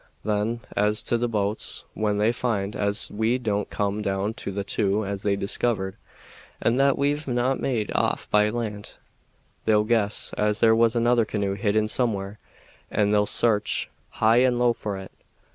Then, as to the boats, when they find as we don't come down to the two as they've discovered, and that we've not made off by land, they'll guess as there was another canoe hidden somewhere, and they'll sarch high and low for it.